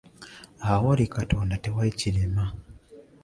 Awali Katonda tewali kirema.